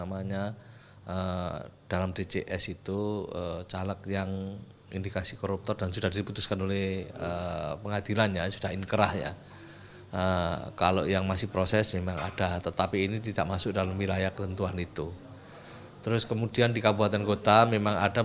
masih menunggu instruksi dari kpu ri